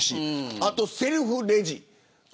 あとはセルフレジ。